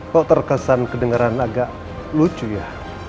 kok terkesan kedengeran agak lucu ya